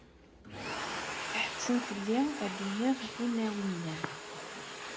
Tḥettem fell-i ad d-iniɣ inaw-nni.